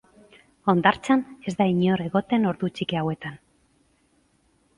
Hondartzan ez da inor egoten ordu txiki hauetan.